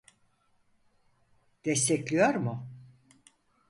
Destekliyor mu